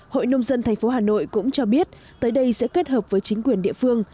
hội nông dân tp hcm cũng cho biết tới đây sẽ kết hợp với chính quyền địa phương